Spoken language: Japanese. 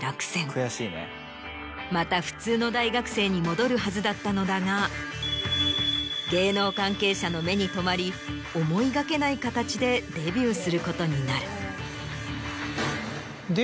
また普通の大学生に戻るはずだったのだが芸能関係者の目に留まり思いがけない形でデビューすることになる。